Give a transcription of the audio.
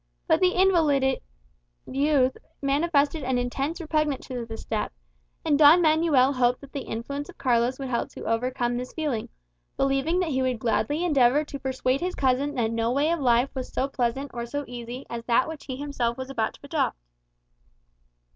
But the invalided youth manifested an intense repugnance to the step; and Don Manuel hoped that the influence of Carlos would help to overcome this feeling; believing that he would gladly endeavour to persuade his cousin that no way of life was so pleasant or so easy as that which he himself was about to adopt.